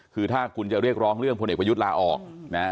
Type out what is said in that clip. คือถ้าคุณจะเรียกร้องเรื่องพลเอกประยุทธ์ลาออกนะ